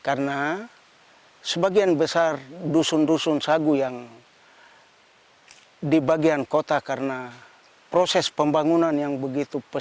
karena sebagian besar dusun dusun sagu yang di bagian kota karena proses pembangunan yang begitu penting